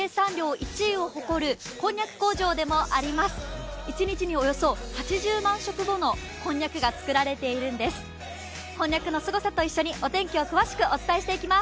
一日におよそ８０万食ものこんにゃくが作られているんです。